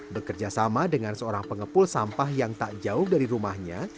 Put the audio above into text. bekerja sama dengan seorang pengepul sampah yang tak jauh dari rumahnya